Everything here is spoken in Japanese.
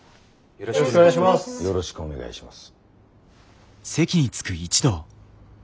よろしくお願いします。